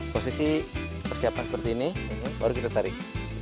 posisi persiapan seperti ini baru kita tarik